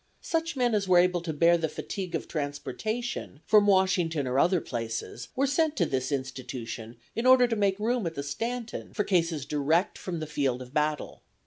Such men as were able to bear the fatigue of transportation from Washington or other places were sent to this institution in order to make room at the Stanton for cases direct from the field of battle.